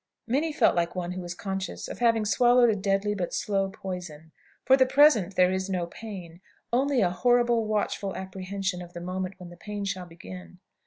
Minnie felt like one who is conscious of having swallowed a deadly but slow poison. For the present there is no pain; only a horrible watchful apprehension of the moment when the pain shall begin.